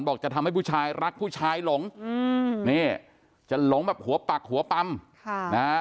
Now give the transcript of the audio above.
บอกจะทำให้ผู้ชายรักผู้ชายหลงจะหลงแบบหัวปักหัวปำ